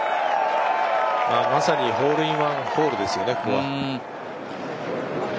ここはまさにホールインワンホールですよね。